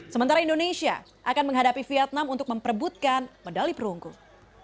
sementara indonesia akan menghadapi vietnam untuk memperbutkan medali perunggung